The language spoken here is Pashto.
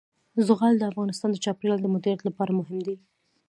زغال د افغانستان د چاپیریال د مدیریت لپاره مهم دي.